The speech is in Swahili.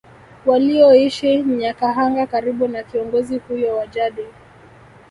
Walioishi Nyakahanga karibu na kiongozi huyo wa jadi